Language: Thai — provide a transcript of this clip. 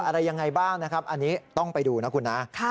อะไรยังไงบ้างนะครับอันนี้ต้องไปดูนะคุณนะ